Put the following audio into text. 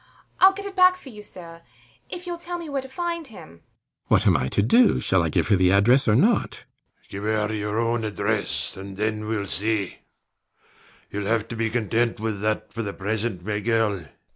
I'll get it back for you, sir, if youll tell me where to find him. RIDGEON. What am I to do? Shall I give her the address or not? SIR PATRICK. Give her your own address; and then we'll see. [To the maid] Youll have to be content with that for the present, my girl.